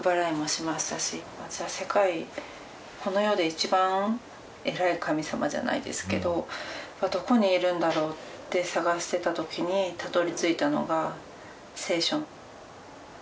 私は世界この世で一番偉い神様じゃないですけどどこにいるんだろうって探してたときにたどりついたのが聖書。